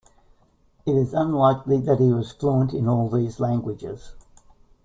It is unlikely that he was fluent in all these languages.